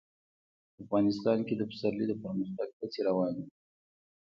افغانستان کې د پسرلی د پرمختګ هڅې روانې دي.